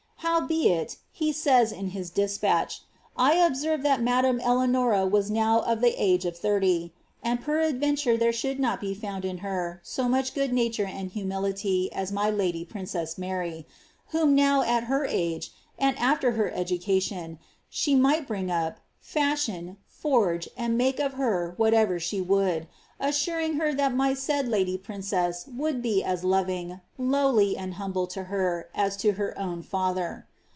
<^ Howbeit ^' (he says in his despatch) ^ I obsenred that madame EUeanora was now of the age of thirty, and peradveotoit khere should not be found in her so much good nature and humility m in my lady princess (Mary), whom now at her age, and after her ednca tion, she might bring up, feshion, forge, and make of her whatever she would, assuring her that my said lady princess would be as lovingi lowly, and humble to her, as to her own fiither."